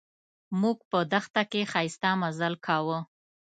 موږ په دښته کې ښایسته مزل کاوه.